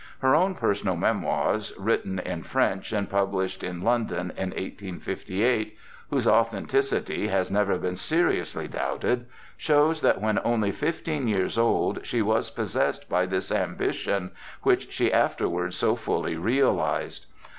Her own personal memoirs, written in French and published in London in 1858, whose authenticity has never been seriously doubted, shows that when only fifteen years old, she was possessed by this ambition, which she afterwards so fully realized.